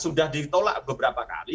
sudah ditolak beberapa kali